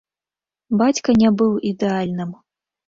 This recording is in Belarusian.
Бацька не быў ідэальным.